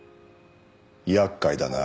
厄介だな。